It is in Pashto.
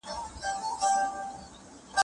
له نقابو یې پرهېزګاره درخانۍ ایستله